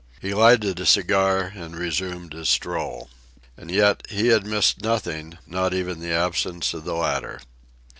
He lighted a cigar and resumed his stroll. And yet he had missed nothing, not even the absence of the ladder.